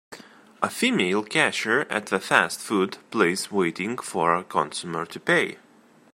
A female cashier at a fast food place waiting for a consumer to pay.